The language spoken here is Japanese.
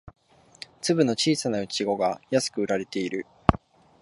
粒の小さなイチゴが安く売られている